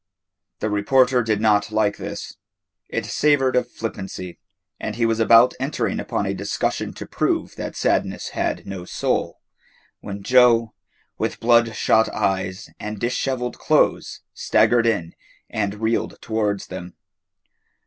The reporter did not like this. It savoured of flippancy, and he was about entering upon a discussion to prove that Sadness had no soul, when Joe, with blood shot eyes and dishevelled clothes, staggered in and reeled towards them.